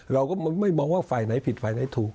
เราก็ไม่มองว่าไฟไหนผิดไฟไหนถูก